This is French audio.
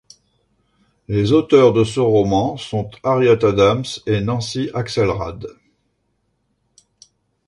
Les auteurs de ce roman sont Harriet Adams et Nancy Axelrad.